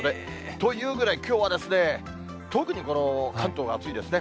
というぐらい、きょうは特にこの関東は暑いですね。